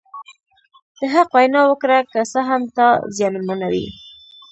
د حق وینا وکړه که څه هم تا زیانمنوي.